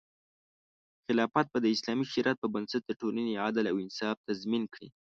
خلافت به د اسلامي شریعت په بنسټ د ټولنې عدل او انصاف تضمین کړي.